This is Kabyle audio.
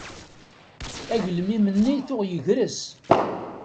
Agelmim-nni tuɣ yegres.